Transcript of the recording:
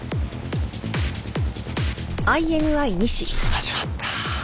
始まった。